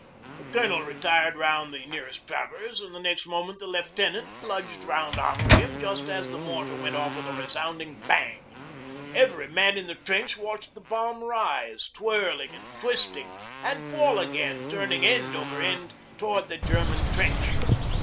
The Colonel retired round the nearest traverse, and next moment the lieutenant plunged round after him just as the mortar went off with a resounding bang. Every man in the trench watched the bomb rise, twirling and twisting, and fall again, turning end over end towards the German trench.